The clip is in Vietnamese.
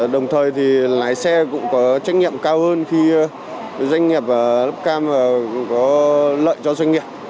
đồng thời thì lái xe cũng có trách nhiệm cao hơn khi doanh nghiệp luf cam có lợi cho doanh nghiệp